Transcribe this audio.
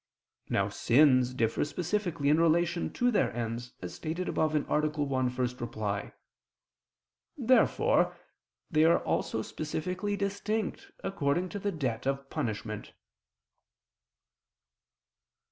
Now sins differ specifically in relation to their ends, as stated above (A. 1, ad 1). Therefore they are also specifically distinct according to the debt of punishment.